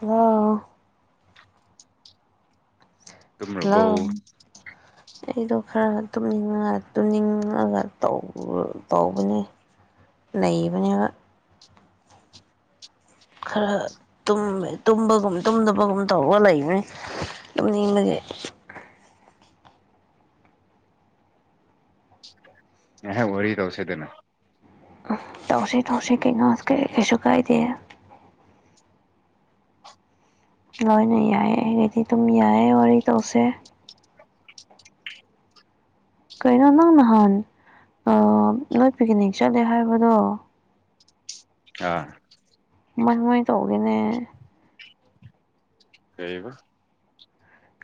hello hello ꯇꯨꯝꯔꯕꯣ [unintelligible] ꯑꯩꯗꯣ ꯈꯔ ꯇꯨꯝꯅꯤꯡꯉ ꯇꯨꯝꯅꯤꯡꯉꯒ ꯇꯧꯔꯥ ꯇꯧꯕꯅꯦ ꯅꯩꯕꯅꯦꯕ ꯈꯔ ꯇꯨꯝꯃꯦ ꯇꯨꯝꯕꯒꯨꯝ ꯇꯨꯝꯗꯕꯒꯨꯝ ꯇꯧꯔꯒ ꯂꯩꯕꯅꯦ ꯇꯨꯝꯅꯤꯡꯕꯒꯤ ꯉꯥꯏꯍꯥꯛ ꯋꯥꯔꯤ ꯇꯧꯁꯦꯗꯅ ꯎꯝ ꯇꯧꯁꯤ ꯇꯧꯁꯤ ꯀꯩꯩꯅꯣ ꯀꯩ ꯀꯩꯁꯨ ꯀꯥꯏꯗꯦ ꯂꯣꯏꯅ ꯌꯥꯏꯌꯦ ꯑꯩꯅꯗꯤ ꯗꯨꯝ ꯌꯥꯏꯌꯦ ꯋꯥꯔꯤ ꯇꯧꯁꯦ ꯀꯩꯅꯣ ꯅꯪ ꯅꯍꯥꯟ ꯑꯥ ꯅꯣꯏ ꯄꯤꯛꯅꯤꯛ ꯆꯠꯂꯦ ꯍꯥꯏꯕꯗꯣ ꯑꯥ ꯃꯥꯟ ꯃꯣꯏ ꯇꯧꯒꯦꯅꯦ ꯀꯩꯕ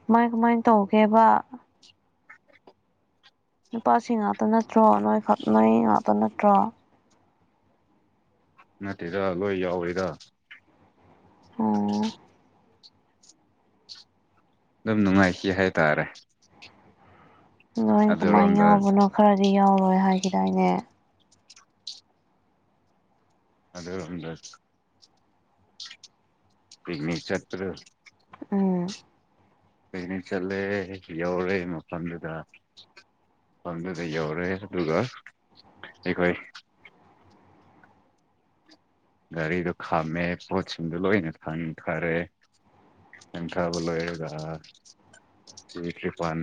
ꯀꯃꯥꯏ ꯀꯃꯥꯏꯟ ꯇꯧꯒꯦꯕ ꯅꯨꯄꯥꯁꯤ ꯉꯥꯛꯇ ꯅꯠꯇ꯭ꯔꯣ ꯅꯣꯏ ꯈꯛ ꯅꯣꯏ ꯉꯥꯛꯇ ꯅꯠꯇ꯭ꯔꯣ ꯅꯠꯇꯦꯗ ꯂꯣꯏ ꯌꯥꯎꯔꯤꯗ ꯑꯣ ꯗꯨꯝ ꯅꯨꯡꯉꯥꯏꯈꯤ ꯍꯥꯏꯇꯥꯔꯦ ꯀꯥꯃꯥꯏꯟ ꯀꯃꯥꯏꯟ ꯑꯗꯨꯔꯣꯝꯗ ꯌꯥꯎꯕꯅꯣ ꯈꯔꯗꯤ ꯌꯥꯎꯔꯣꯏ ꯍꯥꯏꯈꯤꯗꯥꯏꯅꯦ ꯑꯗꯣ ꯅꯨꯃꯤꯗꯣ ꯄꯤꯛꯅꯤꯛ ꯆꯠꯄ ꯗꯣ ꯎꯝ ꯄꯤꯀꯅꯤꯛ ꯆꯠꯂꯦ ꯌꯧꯔꯦ ꯃꯐꯝꯗꯨꯗ ꯃꯐꯝꯗꯨꯗ ꯌꯧꯔꯦ ꯑꯗꯨꯒ ꯑꯩꯈꯣꯏ ꯒꯥꯔꯤꯗꯣ ꯈꯥꯝꯃꯦ ꯄꯣꯠꯁꯤꯡꯗꯣ ꯂꯣꯏꯅ ꯊꯥꯡꯊꯔꯦ ꯊꯪꯊꯕ ꯂꯣꯏꯔꯒ ꯀ꯭ꯔꯤꯄꯥꯟ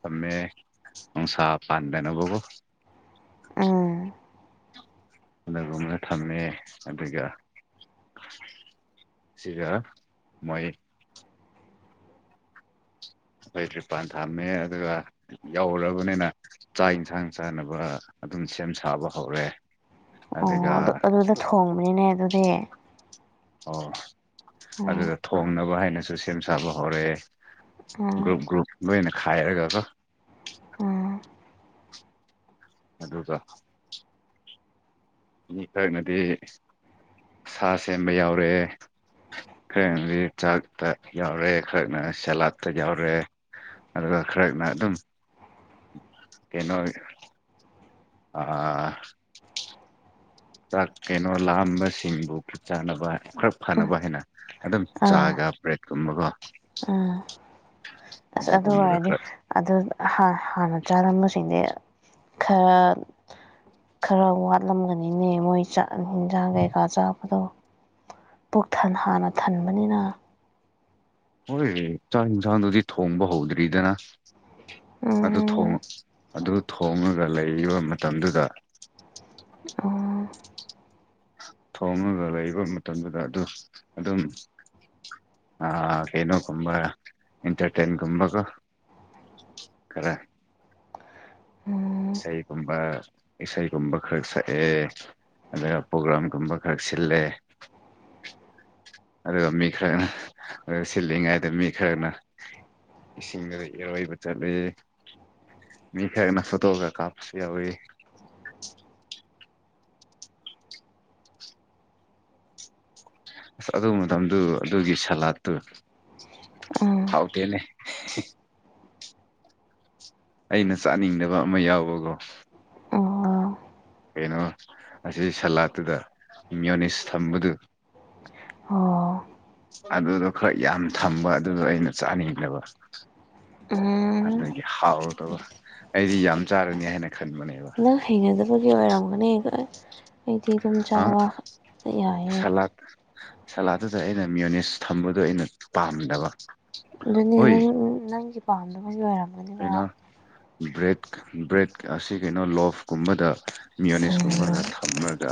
ꯊꯝꯃꯦ ꯅꯨꯡꯁꯥꯥ ꯄꯥꯟꯗꯅꯕ ꯀꯣ ꯎꯝ ꯑꯗꯨꯒꯨꯝꯅ ꯊꯝꯃꯦ ꯑꯗꯨꯒ ꯁꯤꯒ ꯃꯣꯏ ꯑꯩꯈꯣꯏ ꯇ꯭ꯔꯤꯄꯥꯟ ꯊꯝꯃꯦ ꯑꯗꯨꯒ ꯌꯧꯔꯕꯅꯦꯅ ꯆꯥꯛ ꯏꯟꯁꯥꯡ ꯆꯥꯅꯕ ꯑꯗꯨꯝ ꯁꯦꯝ ꯁꯥꯕ ꯍꯧꯔꯦ ꯑꯣ ꯑꯗꯨꯒ ꯑꯗꯨ ꯑꯗꯨꯗ ꯊꯣꯡꯕꯅꯤꯅꯦ ꯑꯗꯨꯗꯤ ꯑꯣ ꯎꯝ ꯑꯗꯨꯗ ꯊꯣꯡꯅꯕ ꯍꯥꯏꯅꯁꯨ ꯁꯦꯝ ꯁꯥꯕ ꯍꯧꯔꯦ ꯎꯝ ꯒ꯭ꯔꯨꯞ ꯒ꯭ꯔꯨꯞ ꯂꯣꯏꯅ ꯈꯥꯏꯔꯒꯀꯣ ꯎꯝ ꯑꯗꯨꯒ ꯃꯤ ꯈꯔꯅꯗꯤ ꯁꯥ ꯁꯦꯝꯕ ꯌꯥꯎꯔꯦ ꯈꯔꯅꯗꯤ ꯆꯥꯛꯇ ꯌꯥꯎꯔꯦ ꯈꯔꯅ ꯁꯦꯂꯥꯠꯇ ꯌꯥꯎꯔꯦ ꯑꯗꯨꯒ ꯈ꯭ꯔꯥꯅ ꯑꯗꯨꯝ ꯀꯩꯅꯣ ꯑꯥ ꯆꯥꯛ ꯀꯩꯅꯣ ꯂꯥꯝꯕꯁꯤꯡꯕꯨ ꯈꯨꯠ ꯆꯥꯅꯕ ꯈꯔ ꯐꯅꯕ ꯍꯥꯏꯅ ꯑꯗꯨꯝ ꯆꯥꯒ ꯕ꯭ꯔꯦꯗꯀꯨꯝꯕꯀꯣ ꯑ ꯑꯁ ꯑꯗꯨ ꯑꯗꯨꯒꯨꯝꯕꯗ ꯑꯣꯏꯔꯗꯤ ꯈꯔ ꯑꯗꯨ ꯍꯥ ꯍꯥꯟꯅ ꯆꯥꯔꯝꯕꯁꯤꯡꯗꯤ ꯈꯔ ꯈꯔ ꯋꯥꯠꯂꯝꯒꯅꯤꯅꯦ ꯃꯣꯏ ꯆꯥꯛ ꯍꯤꯟꯖꯥꯡ ꯀꯩꯀꯥ ꯆꯥꯕꯗꯣ ꯄꯨꯛꯊꯟ ꯍꯥꯟꯅ ꯊꯟꯕꯅꯤꯅ ꯍꯣꯏ ꯆꯥꯛ ꯍꯤꯟꯁꯥꯡꯗꯨꯗꯤ ꯊꯣꯡꯕ ꯍꯧꯗ꯭ꯔꯤꯗꯅ ꯑꯗꯨ ꯊꯣꯡ ꯎꯝ ꯑꯗꯨ ꯊꯣꯡꯉꯒ ꯂꯩꯕ ꯃꯇꯝꯗꯨꯗ ꯑꯣ ꯊꯣꯡꯉꯒ ꯂꯩꯕ ꯃꯇꯝꯗꯨꯗ ꯑꯗꯨ ꯑꯗꯨꯝ ꯑ ꯀꯩꯅꯣ ꯒꯨꯝꯕ ꯏꯟꯇꯔꯇꯦꯟ ꯒꯨꯝꯕꯥꯀꯣ ꯈꯔ ꯎꯝ ꯏꯁꯩꯒꯨꯝꯕ ꯏꯁꯩꯒꯨꯝꯕ ꯈꯔ ꯁꯛꯑꯦ ꯑꯗꯨꯒ ꯄꯣꯒ꯭ꯔꯥꯝꯒꯨꯝꯕ ꯈꯔ ꯁꯤꯜꯂꯦ ꯑꯗꯨꯒ ꯃꯤ ꯈꯔꯅ ꯁꯤꯜꯂꯤꯉꯩꯗ ꯃꯤ ꯈꯔꯅ ꯏꯁꯤꯡꯗꯒ ꯏꯔꯣꯏꯕ ꯆꯠꯂꯦ ꯃꯤ ꯈꯔꯅ ꯐꯣꯇꯣ ꯒꯥ ꯀꯞꯄꯁꯨ ꯌꯥꯎꯋꯦ ꯑꯁ ꯑꯗꯨ ꯃꯇꯝꯗꯨ ꯑꯗꯨꯒꯤ ꯁꯂꯥꯠꯇꯨ ꯍꯥꯎꯇꯦꯅꯦ ꯑꯩꯅ ꯆꯥꯅꯤꯡꯗꯕ ꯑꯃ ꯌꯥꯎꯕꯀꯣ ꯎꯝ ꯑꯣ ꯀꯩꯅꯣ ꯑꯁꯤ ꯁꯂꯥꯠꯇꯨꯗ ꯃ꯭ꯌꯣꯅꯤꯁ ꯊꯝꯕꯗꯨ ꯍꯣ ꯑꯗꯨꯗꯣ ꯈꯔ ꯌꯥꯝ ꯊꯝꯕ ꯑꯗꯨꯗꯣ ꯑꯩꯅ ꯆꯥꯅꯤꯡꯗꯕ ꯎ ꯍꯝ ꯑꯗꯨꯒꯤ ꯍꯥꯎꯇꯕ ꯑꯩꯗꯤ ꯌꯥꯝ ꯆꯥꯔꯅꯤ ꯍꯥꯏꯅ ꯈꯟꯕꯅꯦ ꯅꯪ ꯍꯩꯅꯗꯕꯒꯤ ꯑꯣꯏꯔꯝꯒꯅꯤꯕ ꯑꯩꯗꯤ ꯑꯗꯨꯝ ꯆꯥꯕ ꯌꯥꯏꯌꯦ ꯑꯞ ꯁꯂꯥꯗꯨꯗ ꯑꯩꯅ ꯃꯤꯌꯣꯅꯤꯁ ꯊꯝꯕꯗꯣ ꯑꯩꯅ ꯄꯥꯝꯗꯕ ꯑꯗꯨꯅꯦ ꯍꯣꯏ ꯅꯪ ꯅꯪꯒꯤ ꯄꯥꯝꯗꯕꯒꯤ ꯑꯣꯏꯔꯝꯒꯅꯤꯕ ꯕ꯭ꯔꯦꯠ ꯕ꯭ꯔꯦꯠ ꯑꯁꯤ ꯀꯩꯅꯣ ꯂꯣꯞꯀꯨꯝꯕꯗ ꯃꯤꯌꯣꯅꯤꯁꯀꯨꯝꯕꯒ ꯊ ꯑꯃꯒ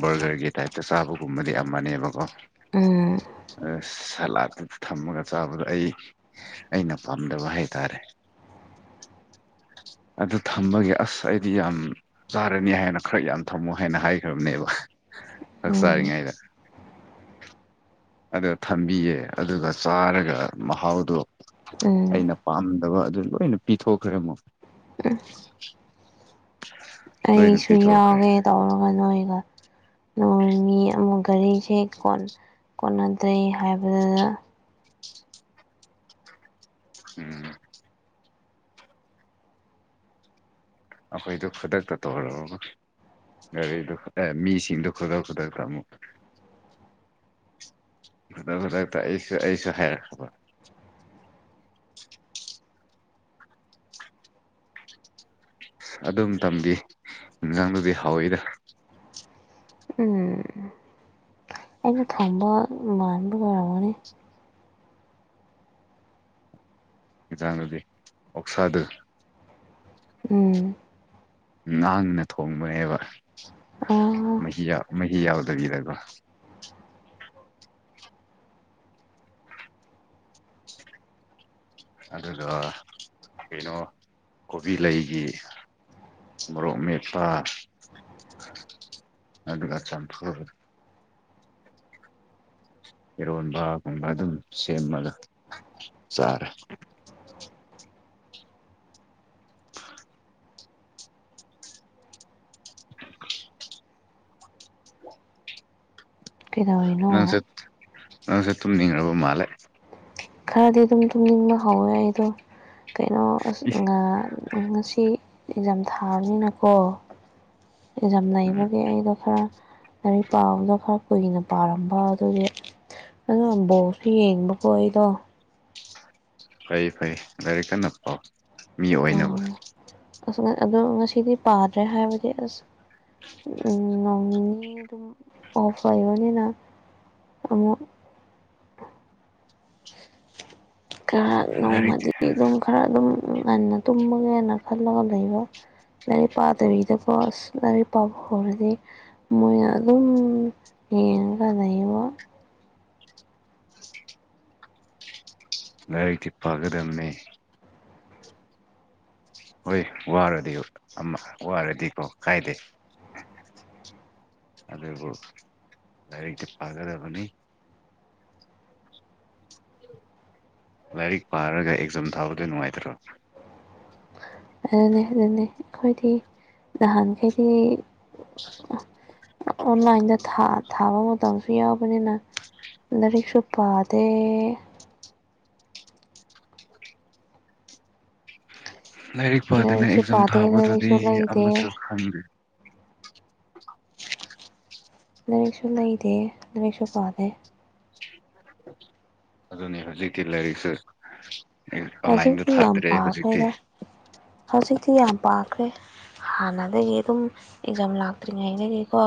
ꯕꯒ꯭ꯔꯒꯤ ꯇꯥꯏꯞꯇ ꯆꯥꯕꯒꯨꯝꯕꯗꯤ ꯑꯃꯅꯦꯕꯀꯣ ꯎꯝ ꯑ ꯁꯂꯥꯠꯇ ꯊꯝꯃꯒ ꯆꯥꯕꯗ ꯑꯩ ꯑꯩꯅ ꯄꯥꯝꯗꯕ ꯍꯥꯏꯇꯥꯔꯦ ꯑꯗꯨ ꯊꯝꯕꯒꯤ ꯑꯁ ꯑꯩꯗꯤ ꯌꯥꯝ ꯆꯥꯒ‍꯭ꯔꯅꯤ ꯍꯥꯏꯅ ꯈꯔ ꯌꯥꯝ ꯊꯝꯃꯣ ꯍꯥꯏꯅ ꯍꯥꯏꯈ꯭ꯔꯕꯅꯦꯕ ꯆꯛ ꯎꯝ ꯆꯥꯔꯤꯉꯩꯗ ꯑꯗ ꯊꯝꯕꯤꯌꯦ ꯑꯗꯨꯒ ꯆꯥꯔꯒ ꯃꯍꯥꯎꯗꯣ ꯎꯝ ꯑꯩꯅ ꯄꯥꯝꯗꯕ ꯑꯗꯨ ꯂꯣꯏꯅ ꯄꯤꯊꯣꯛꯈ꯭ꯔꯦ ꯑꯃꯨꯛ ꯂꯣꯏꯅ ꯑꯩꯁꯨ ꯄꯤꯊꯣꯛꯈ꯭ꯔꯦ ꯌꯥꯎꯒꯦ ꯇꯧꯔꯒ ꯅꯣꯏꯒ ꯅ ꯃꯤ ꯃꯤ ꯑꯃꯨꯛ ꯒꯔꯤꯁꯦ ꯀꯣꯟꯅꯗꯦ ꯍꯥꯏꯕꯗꯨꯗ ꯎꯝ ꯑꯩꯈꯣꯏꯗꯨ ꯈꯨꯗꯛꯇ ꯇꯧꯔꯒ ꯒꯥꯔꯤꯗꯨ ꯑꯦ ꯃꯤꯁꯤꯡꯗꯣ ꯈꯨꯗꯛ ꯈꯨꯗꯛꯇꯥ ꯑꯃꯨꯛ ꯈꯨꯗꯛ ꯈꯨꯗꯛꯇ ꯑꯩꯁꯨ ꯑꯩꯁꯨ ꯍꯥꯏꯔꯛꯈ꯭ꯔꯕ ꯑꯗꯨꯝ ꯇꯝꯕꯤ ꯏꯟꯖꯥꯡꯗꯨꯗꯤ ꯍꯥꯎꯋꯤꯗ ꯎꯝ ꯑꯩꯅ ꯊꯣꯡꯕ ꯃꯥꯟꯕꯒ ꯑꯣꯏꯔꯝꯒꯅꯤ ꯏꯖꯥꯡꯗꯨꯗꯤ ꯑꯣꯛꯁꯥꯗꯨ ꯎꯝ ꯅꯥꯡꯅ ꯊꯣꯡꯕꯅꯦꯕ ꯑꯣ ꯃꯍꯤꯌ ꯃꯍꯤ ꯌꯥꯎꯗꯕꯤꯗ ꯒ‌ꯣ [inaudible] ꯑꯗꯨꯒ ꯀꯩꯅꯣ ꯀꯣꯕꯤ ꯂꯩꯒꯤ ꯃ‌ꯣꯔꯣꯛꯃ‌ꯦꯠꯄꯥꯥ ꯑꯗꯨꯒꯥ ꯆꯝꯐꯨꯠ ꯏꯔꯣꯟꯕꯒꯨꯝꯕ ꯑꯗꯨꯝ ꯁꯦꯝꯃꯒ ꯆꯥꯔꯦ [inaudible] [inaudible] ꯀꯩꯗꯧꯔꯤꯅꯣ ꯅꯪꯆꯠ ꯅꯪꯖꯨ ꯇꯨꯝꯅꯤꯡꯉꯕ ꯃꯥꯜꯂ‌ꯦ ꯈꯔꯗꯤ ꯑꯗꯨꯝ ꯇꯨꯝꯅꯤꯡꯕ ꯍꯧꯔꯦ ꯑꯩꯗꯣ ꯀꯩꯅꯣ ꯑꯁ ꯉ ꯉꯁꯤ ꯑꯦꯛꯖꯥꯝ ꯊꯥꯕꯅꯤꯅꯀꯣ ꯑꯦꯛꯖꯝ ꯎꯝ ꯂꯩꯕꯒꯤ ꯑꯩꯗꯣ ꯈꯔ ꯂꯥꯔꯤꯛ ꯄꯥꯕꯗꯣ ꯈꯔ ꯀꯨꯏꯅ ꯄꯥꯔꯝꯕ ꯑꯗꯨꯒꯤ ꯑꯗꯨ ꯑꯝ ꯕꯣꯛꯇꯤ ꯌꯦꯡꯕ ꯀꯣ ꯑꯩꯗꯣ ꯐꯩꯏ ꯐꯩ ꯂꯥꯏꯔꯤꯛ ꯀꯟꯅ ꯄꯥꯎ ꯃꯤ ꯑꯣꯏꯅꯕ ꯑꯣ ꯑꯁ ꯉ ꯑꯗꯣ ꯉꯁꯤꯗꯤ ꯄꯥꯗ꯭ꯔꯦ ꯍꯥꯏꯕꯗꯤ ꯑꯁ ꯅꯣꯡ ꯅꯤꯅꯤ ꯗꯨꯝ ꯑꯣꯐ ꯂꯩꯕꯅꯤꯅ ꯑꯃꯨꯛ ꯈꯔ ꯂꯥꯏꯔꯤꯛꯇꯤ ꯅꯣꯡꯃꯗꯤ ꯑꯗꯨꯝ ꯈꯔ ꯑꯗꯨꯝ ꯉꯟꯅ ꯇꯨꯝꯃꯒꯦꯅ ꯈꯜꯂꯒ ꯂꯩꯕ ꯂꯥꯏꯔꯤꯛ ꯄꯥꯗꯕꯤꯗꯀꯣ ꯑꯁ ꯂꯥꯔꯤꯛ ꯄꯥꯕ ꯍꯧꯔꯗꯤ ꯃꯣꯏꯅ ꯑꯗꯨꯝ ꯌꯦꯡꯉꯒ ꯂꯩꯕ ꯂꯥꯏꯔꯤꯛꯇꯤ ꯄꯒꯗꯝꯅꯦ ꯍꯣꯏ ꯋꯥꯔꯗꯤ ꯑꯃ ꯋꯥꯔꯗꯤꯀꯣ ꯀꯥꯏꯗꯦ ꯑꯗꯨꯕꯨ ꯂꯥꯏꯔꯤꯛꯇꯤ ꯄꯥꯒꯗꯕꯅꯤ [inaudible] ꯂꯥꯏꯔꯤꯛ ꯄꯥꯔꯒ ꯑꯦꯛꯖꯥꯝ ꯊꯥꯕꯗꯣ ꯅꯨꯡꯉꯥꯏꯇ꯭ꯔꯣ ꯑꯗꯨꯅꯦ ꯑꯗꯨꯅꯦ ꯑꯩꯈꯣꯏꯗꯤ ꯅꯍꯥꯟꯈꯩꯗꯤ ꯑꯣ ꯑꯣꯟꯂꯥꯏꯟꯗ ꯊꯥ ꯊꯥꯕ ꯃꯇꯝꯁꯨ ꯌꯥꯎꯕꯅꯤꯅ ꯂꯥꯏꯔꯤꯛꯁꯨ ꯄꯥꯗꯦ ꯂꯥꯏꯔꯤꯛ ꯄꯥꯗꯅ ꯂꯥꯏꯔꯤꯛꯁꯨ ꯑꯦꯛꯖꯥꯝ ꯄꯥꯗꯦ ꯊꯥꯕꯗꯨꯗꯤ ꯂꯥꯏꯔꯤꯛꯁꯨ ꯂꯩꯗꯦ ꯑꯃꯇꯥ ꯈꯪꯗꯦ ꯂꯥꯔꯤꯛꯁꯨ ꯂꯩꯗꯦ ꯂꯥꯔꯤꯛꯁꯨ ꯄꯗꯦ ꯑꯗꯨꯅꯤ ꯍꯧꯖꯤꯛꯇꯤ ꯂꯥꯏꯔꯤꯛꯁꯦ ꯍꯧꯖꯤꯛꯇꯤ ꯌꯥꯝ ꯄꯥꯈ꯭ꯔꯦꯗ ꯍꯧꯖꯤꯛꯇꯤ ꯌꯥꯝ ꯄꯥꯈ꯭ꯔꯦ ꯍꯥꯟꯅꯗꯒꯤ ꯑꯗꯨꯝ ꯑꯦꯛꯖꯥꯝ ꯂꯥꯛꯇ꯭ꯔꯤꯉꯩꯗꯒꯤꯀꯣ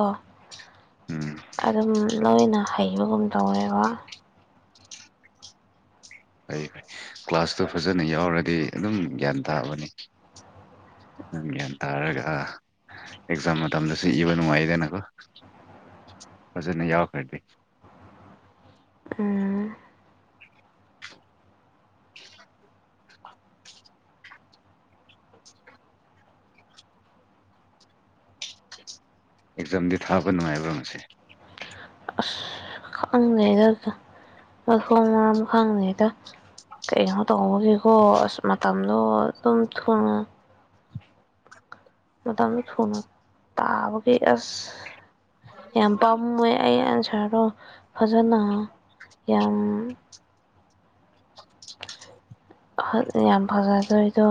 ꯎꯝ ꯑꯗꯨꯝ ꯂꯣꯏꯅ ꯍꯩꯕꯒꯨꯝ ꯇꯧꯔꯦꯕ ꯐꯩꯌꯦ ꯐꯩ ꯀ꯭ꯂꯥꯁꯇꯣ ꯐꯖꯅ ꯌꯥꯎꯔꯗꯤ ꯑꯗꯨꯝ ꯒ꯭ꯌꯥꯟ ꯇꯥꯕꯅꯤ ꯅꯪ ꯒꯌ꯭ꯥꯟ ꯇꯔꯒ ꯑꯦꯛꯖꯥꯝ ꯃꯇꯝꯗꯁꯨ ꯏꯕ ꯅꯨꯡꯉꯥꯏꯗꯅꯀꯣ ꯐꯖꯅ ꯌꯥꯎꯔꯈ꯭ꯔꯗꯤ ꯎꯝ ꯑꯦꯛꯖꯥꯝꯗꯤ ꯊꯥꯕ ꯅꯨꯡꯉꯥꯏꯕ꯭ꯔꯣ ꯉꯁꯤ ꯑꯁ ꯈꯪꯗꯦꯗ ꯃꯥꯊꯣꯡ ꯃꯔꯝ ꯈꯪꯗꯦꯗ ꯀꯩꯅꯣ ꯇꯧꯕꯧꯕꯒꯤꯀꯣ ꯑꯁ ꯃꯇꯝꯗꯣ ꯑꯗꯨꯝ ꯊꯨꯅꯥ ꯃꯇꯝꯗꯨ ꯊꯨꯅ ꯇꯥꯕꯒꯤ ꯑꯁ ꯌꯥꯝ ꯄꯥꯝ ꯃꯨꯏ ꯑꯩ ꯑꯟꯁꯔꯗꯣ ꯐꯖꯅ ꯌꯥꯝ ꯈꯠ ꯌꯥꯝ ꯐꯖꯗꯣꯏꯗꯣ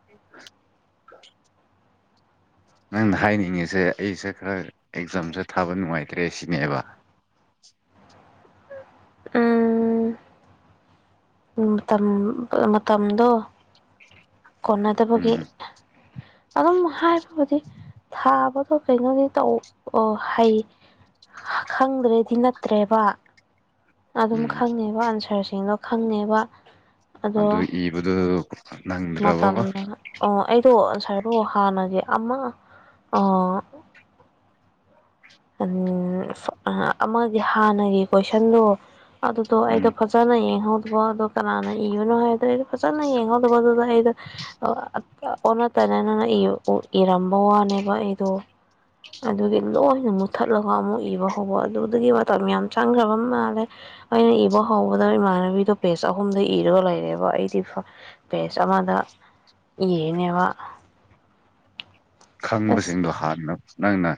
ꯍꯥ ꯅꯪꯅ ꯍꯥꯏꯅꯤꯡꯉꯤꯁꯦ ꯑꯩꯁꯦ ꯈꯔ ꯑꯦꯛꯖꯥꯝꯁꯦ ꯊꯥꯕ ꯅꯨꯡꯉꯥꯏꯇ꯭ꯔꯦ ꯁꯤꯅꯦꯕ ꯎꯝ ꯃꯇꯝ ꯃꯇꯝꯗꯣ ꯀꯣꯟꯅꯗꯕꯒꯤ ꯎꯝ ꯑꯗꯨꯝ ꯍꯥꯏꯕꯕꯨꯗꯤ ꯊꯥꯕ ꯕ ꯀꯩꯅꯣꯗꯤ ꯇꯧ ꯑ ꯍꯩ ꯈꯪꯗ꯭ꯔꯦꯗꯤ ꯅꯠꯇ꯭ꯔꯦꯕ ꯑꯗꯨꯝ ꯎꯝ ꯈꯪꯉꯦꯕ ꯑꯟꯁꯔꯁꯤꯡꯗꯣ ꯈꯪꯉꯦꯕ ꯑꯗꯨꯏ ꯏꯕꯗꯨ ꯅꯪꯗ꯭ꯔꯕꯀꯣ ꯃꯇꯝꯗ ꯑꯣ ꯑꯩꯗꯣ ꯑꯟꯁꯔꯗꯣ ꯍꯥꯟꯅꯒꯤ ꯑꯃ ꯑ ꯑꯃꯒꯤ ꯍꯥꯟꯅꯒꯤ ꯀꯣꯏꯁꯟꯗꯣ ꯑꯗꯨꯗꯣ ꯎꯝ ꯑꯩꯗꯣ ꯐꯖ ꯖꯅ ꯌꯦꯡꯍꯧꯗꯕ ꯑꯗꯨ ꯀꯅꯥꯅ ꯏꯒꯨꯅꯣ ꯍꯥꯏꯗ꯭ꯔꯦꯗꯣ ꯐꯖꯅ ꯌꯦꯡꯍꯧꯗꯕꯗ ꯑꯗꯨꯗꯣ ꯑꯩꯗꯣ ꯑꯣꯟꯅ ꯇꯩꯅꯅꯒ ꯏꯎ ꯎ ꯏꯔꯝꯕ ꯋꯥꯅꯦꯕ ꯑꯩꯗꯣ ꯑꯗꯨꯗꯤ ꯂꯣꯏꯅꯃꯨ ꯊꯠꯂꯒ ꯑꯃꯨꯛ ꯏꯕ ꯍꯧꯕ ꯑꯗꯨꯗꯒꯤ ꯃꯇꯝ ꯌꯥꯝ ꯆꯪꯈ꯭ꯔꯕ ꯃꯥꯜꯂꯦ ꯑꯩꯅ ꯏꯕ ꯍꯥꯎꯕꯗ ꯏꯃꯥꯟꯅꯕꯤꯗꯣ ꯄꯦꯖ ꯑꯍꯨꯝꯗ ꯏꯔꯒ ꯂꯩꯔꯦꯕ ꯑꯩꯗꯤ ꯐ ꯄꯦꯁ ꯑꯃꯗ ꯏꯌꯦꯅꯦꯕ ꯑꯁ ꯈꯪꯕꯁꯤꯡꯗꯣ ꯍꯥꯟꯅ ꯅꯪꯅ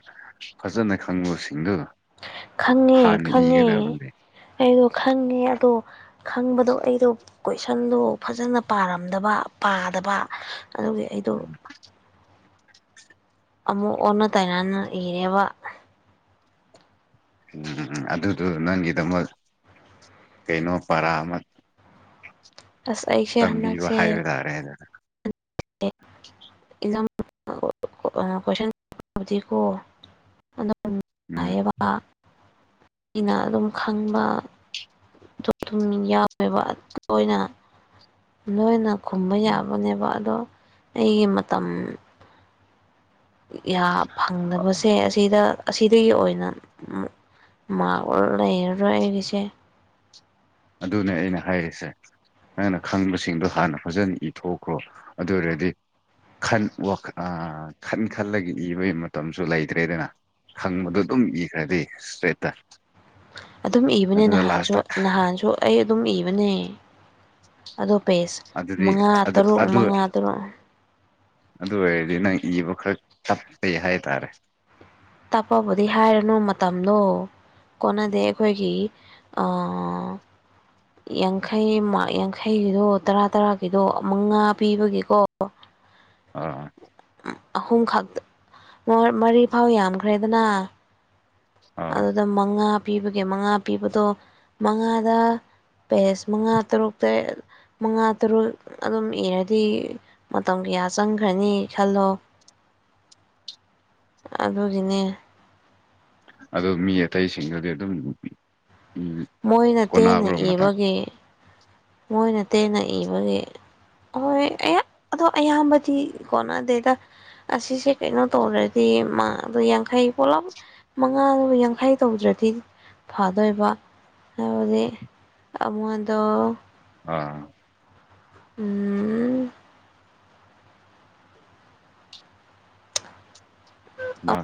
ꯐꯖꯅ ꯈꯪꯕꯁꯤꯡꯗꯨ ꯈꯪꯉꯦ ꯍꯥꯟꯅ ꯈꯪꯉꯦ ꯏꯒꯗꯕꯅꯦ ꯑꯩꯗꯣ ꯈꯪꯉꯦ ꯑꯗꯣ ꯈꯪꯕꯗꯣ ꯑꯩꯗꯣ ꯀꯣꯏꯁꯟꯗꯣ ꯐꯖꯅ ꯄꯥꯔꯝꯗꯕ ꯄꯥꯗꯕ ꯑꯗꯨꯒꯤ ꯑꯩꯗꯣ ꯎꯝ ꯑꯃꯨꯛ ꯑꯣꯟꯅ ꯇꯥꯏꯅꯅ ꯏꯔꯦꯕ ꯎꯝ ꯑꯗꯨꯗꯨ ꯅꯪꯒꯤꯗꯃꯛ ꯀꯩꯅꯣ ꯄꯔꯥ ꯑꯃ ꯑꯁ ꯑꯩ ꯇꯝꯕꯤꯕ ꯍꯥꯏꯕ ꯇꯥꯔꯦꯗ ꯑꯦꯖꯥꯝ ꯀꯣꯏꯁꯟꯕꯨꯗꯤꯀꯣ [inaudible] [unintelligible] ꯑꯩꯅ ꯑꯗꯨꯝ ꯈꯪꯕ [unintelligible] ꯌꯥꯎꯋꯦꯕ ꯂꯣꯏꯅ ꯂꯣꯏꯅ ꯈꯨꯝꯕ ꯎꯝ ꯌꯥꯕꯅꯦꯕ ꯑꯗꯣ ꯑꯩꯒꯤ ꯃꯇꯝ ꯌꯥ ꯐꯪꯗꯕꯁꯦ ꯑꯁꯤꯗ ꯑꯁꯤꯗꯒꯤ ꯑꯣꯏꯅ [unintelligible] ꯂꯩꯔꯔꯣꯏ ꯑꯩꯒꯤꯁꯦ ꯑꯗꯨꯅꯦ ꯑꯩꯅ ꯍꯥꯏꯔꯤꯁꯦ ꯅꯪꯅ ꯈꯪꯕꯁꯤꯡꯗꯣ ꯍꯥꯟꯅ ꯐꯖꯅ ꯏꯊꯣꯛꯈ꯭ꯔꯣ ꯑꯗꯨ ꯑꯣꯏꯔꯗꯤ ꯈꯟ ꯋꯥ ꯑꯥ ꯈꯟ ꯈꯜꯂꯒ ꯏꯕꯒꯤ ꯃꯇꯝꯁꯨ ꯂꯩꯇ꯭ꯔꯦꯗꯅ ꯈꯪꯕꯗꯨ ꯑꯗꯨꯝ ꯏꯈ꯭ꯔꯗꯤ ꯏꯁꯇ꯭ꯔꯦꯠꯇ ꯑꯗꯨꯝ ꯏꯕꯅꯤ ꯑꯗꯨꯒ ꯅꯍꯥꯟꯁꯨ ꯂꯥꯁꯇ ꯅꯍꯥꯟꯁꯨ ꯑꯩ ꯑꯗꯨꯝ ꯏꯕꯅꯤ ꯑꯗꯨ ꯄꯦꯁ ꯑꯗꯨꯗꯤ ꯃꯉꯥ ꯑꯗꯨ ꯇꯔꯨꯛ ꯑꯗꯨ ꯃꯉꯥ ꯇꯔꯨꯛ ꯑꯗꯨ ꯑꯣꯏꯔꯗꯤ ꯅꯪ ꯏꯕ ꯈꯔ ꯆꯞꯄꯦ ꯍꯥꯏꯇꯥꯔꯦ ꯇꯞꯄꯕꯨꯗꯤ ꯍꯥꯏꯔꯅꯨ ꯃꯇꯝꯗꯣ ꯀꯣꯟꯅꯗꯦ ꯑꯩꯈꯣꯏꯒꯤ ꯑꯥ ꯌꯥꯡꯈꯩꯃꯥ ꯌꯥꯡꯈꯩꯒꯤꯗꯣ ꯇꯔꯥ ꯇꯔꯥꯒꯤꯗꯣ ꯃꯉꯥ ꯄꯤꯕꯒꯤꯀꯣ ꯑꯥ ꯑꯍꯨꯝ ꯈꯛ [unintelligible] ꯃꯔꯤ ꯐꯥꯎ ꯌꯥꯝꯈ꯭ꯔꯦꯗꯅ ꯑꯥ ꯑꯗꯨꯗ ꯃꯉꯥ ꯄꯤꯕꯒꯤ ꯃꯉꯥ ꯄꯤꯕꯗꯣ ꯃꯉꯥꯗ ꯄꯦꯁ ꯃꯉꯥ ꯇꯔꯨꯛ ꯇꯔꯦꯠ ꯃꯉꯥ ꯇꯔꯨꯛ ꯑꯗꯨꯝ ꯏꯔꯗꯤ ꯃꯇꯝ ꯀꯌꯥ ꯆꯪꯈ꯭ꯔꯅꯤ ꯈꯜꯂꯣ [inaudible] ꯑꯗꯨꯒꯤꯅꯦ ꯑꯗꯨ ꯃꯤ ꯑꯇꯩꯁꯤꯡꯗꯨꯗꯤ ꯑꯗꯨꯝ ꯎꯝ ꯃꯣꯏꯅ ꯇꯦꯟꯅ ꯀꯣꯟꯅꯕ꯭ꯔꯣ ꯃꯇꯝ ꯏꯕꯒꯤ ꯃꯣꯏꯅ ꯇꯦꯟꯅ ꯏꯕꯒꯤ ꯍꯣꯏ [unintelligible] ꯑꯗꯣ ꯑꯌꯥꯝꯕꯗꯤ ꯀꯣꯟꯅꯗꯦꯗ ꯑꯁꯤꯁꯦ ꯀꯩꯅꯣ ꯇꯧꯔꯗꯤ ꯃꯥ ꯑꯗꯨ ꯌꯥꯡꯈꯩ ꯄꯨꯂꯞ ꯃꯉꯥꯗꯨ ꯌꯥꯡꯈꯩ ꯇꯧꯗ꯭ꯔꯗꯤ ꯐꯗꯣꯏꯕ ꯍꯥꯏꯕꯗꯤ ꯑꯃꯗꯨ ꯑꯥ ꯎꯝ ꯃꯥ [unintelligible]